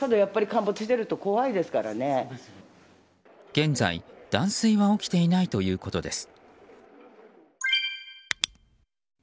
現在、断水は起きていないということです。